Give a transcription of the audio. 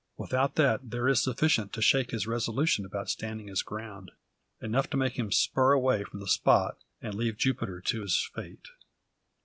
Without that, there is sufficient to shake his resolution about standing his ground; enough to make him spur away from the spot, and leave Jupiter to his fate.